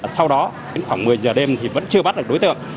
sau đó đến khoảng một mươi giờ đêm thì vẫn chưa bắt được đối tượng